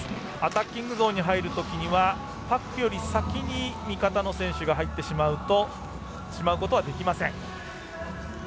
アタッキングゾーンに入るときにはパックより先に味方の選手が入ってしまうことはできません。